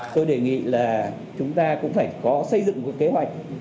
tôi đề nghị là chúng ta cũng phải có xây dựng một kế hoạch